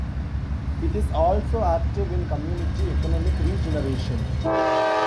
It is also active in community economic regeneration.